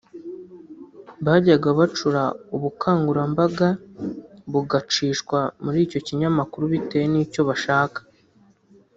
bajyaga bacura ubukangurambaga bugacishwa muri icyo kinyamakuru bitewe n’icyo bashaka